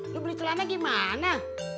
lu beli celana gimana